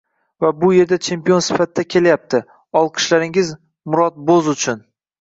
Va bu yerga chempion sifatida kelyapti, olqishlaringiz Murod Bo’z uchun!